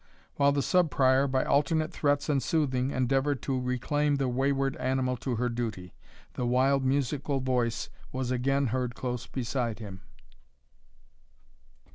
While the Sub Prior, by alternate threats and soothing, endeavoured to reclaim the wayward animal to her duty, the wild musical voice was again heard close beside him.